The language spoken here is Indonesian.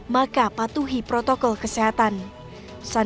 maka patuhi protokol kesehatan